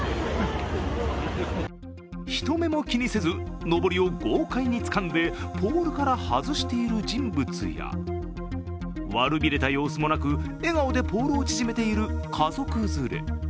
人目も気にせず、のぼりを豪快につかんでポールから外している人物や悪びれた様子もなく笑顔でポールを縮めている家族連れ